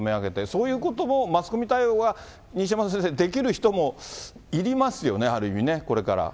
そういうこともマスコミ対応は、西山先生、できる人もいりますよね、ある意味ね、これから。